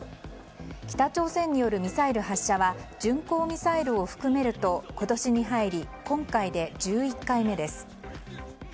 北朝鮮によるミサイル発射は巡航ミサイルを含めると今年に入り、今回で１１回目です。